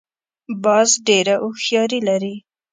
باز ډېره هوښیاري لري